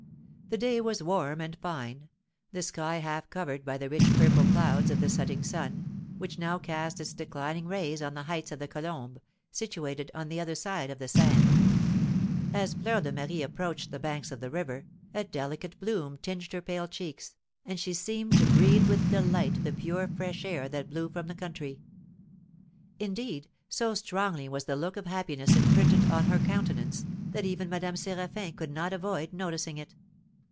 The day was warm and fine, the sky half covered by the rich purple clouds of the setting sun, which now cast its declining rays on the heights of the colombes, situated on the other side of the Seine. As Fleur de Marie approached the banks of the river, a delicate bloom tinged her pale cheeks, and she seemed to breathe with delight the pure fresh air that blew from the country. Indeed, so strongly was the look of happiness imprinted on her countenance, that even Madame Séraphin could not avoid noticing it.